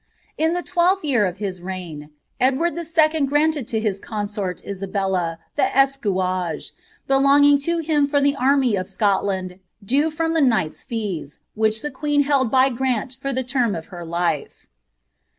In the twelfth year of his reign, Edward II. granted to his consort iiebella the escuage, belonging to him for the army of Scotland due from the knight's fees, which the queen held by grant for the term of her life.